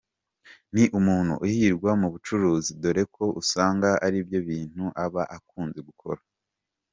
Ni umuntu uhirwa mu bucuruzi dore ko usanga aribyo bintu aba akunze gukora.